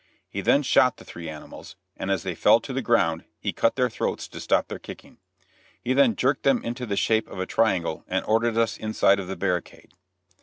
He then shot the three animals, and as they fell to the ground he cut their throats to stop their kicking. He then jerked them into the shape of a triangle, and ordered us inside of the barricade.